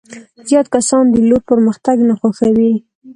زیات کسان د لور پرمختګ نه خوښوي.